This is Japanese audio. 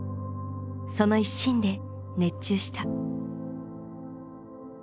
その一心で熱中した。